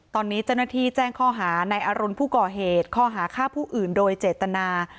ตอนนี้เจ้าหน้าที่แจ้งข้อหาในอรุณผู้ก่อเหตุข้อหาฆ่าผู้อื่นโดยเจตนา